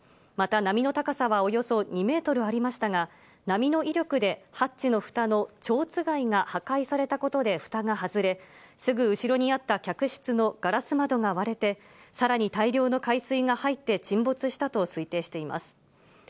また波の高さはおよそ２メートルありましたが波の威力でハッチの蓋の蝶番が破壊されたことで蓋が外れ、すぐ後ろにあった客室のガラス窓が割れて、さらに大量の海水が入って沈没したと推定しています。